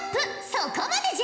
そこまでじゃ！